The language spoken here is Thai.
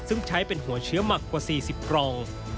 ซึ่งใช้เป็นหัวเชื้อหมักกว่า๔๐กล่อง